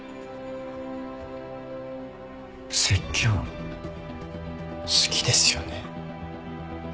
説教好きですよね？